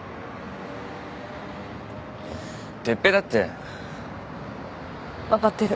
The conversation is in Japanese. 哲平だって。分かってる。